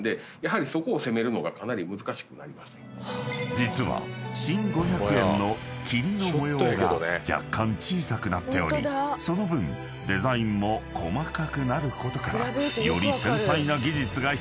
［実は新５００円の桐の模様が若干小さくなっておりその分デザインも細かくなることから］